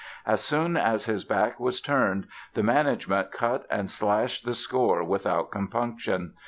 As soon as his back was turned the management cut and slashed the score without compunction.